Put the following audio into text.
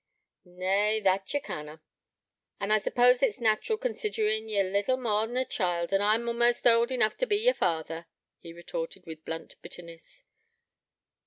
'Nay, that ye canna. An' I suppose it's natural, considerin' ye're little more than a child, an' I'm a'most old enough to be yer father,' he retorted, with blunt bitterness.